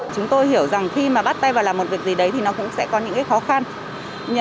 chúng tôi hiểu rằng khi mà bắt tay vào làm một việc gì đấy thì nó cũng sẽ có những khó khăn